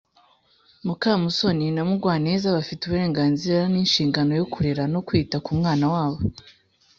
mukamusoni na mugwaneza bafite uburenganzira n’inshingano yo kurera no kwita ku mwana wabo.